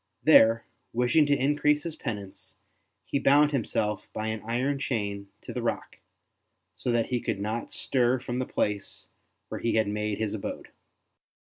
There, wishing to increase his penance, he bound himself by an iron chain to the rock, so that he could not stir from the place where he had made his abode.